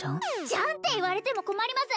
「じゃん？」って言われても困ります